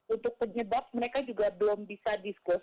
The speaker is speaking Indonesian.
untuk penyebab mereka juga belum bisa diskuse